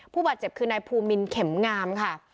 ผู้บาดเจ็บคือนายภูมินเข็มงามค่ะ